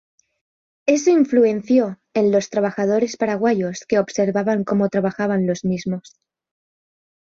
Eso influenció en los trabajadores paraguayos que observaban como trabajaban los mismos.